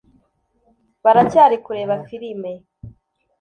baracyari kureba firime